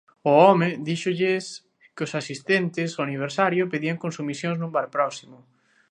O home díxolles que os asistentes ao aniversario pedían as consumicións nun bar próximo.